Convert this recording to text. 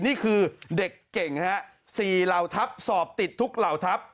นี่คือเด็กเก่ง๔เหล่าทัพสอบติดทุกเหล่าทัพ